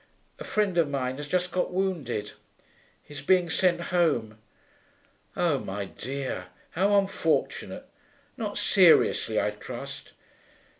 'A friend of mine has just got wounded. He's being sent home.' 'Oh, my dear, how unfortunate! Not seriously, I trust?'